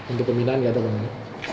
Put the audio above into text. untuk pembinaan tidak ada pembinaan